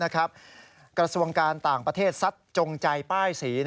กระทรวงการต่างประเทศซัดจงใจป้ายสี